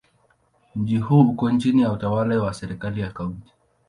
Mji huu uko chini ya utawala wa serikali ya Kaunti.